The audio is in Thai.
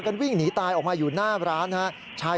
โทษทีโทษทีโทษที